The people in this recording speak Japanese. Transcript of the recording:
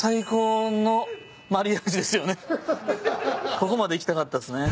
ここまでいきたかったっすね。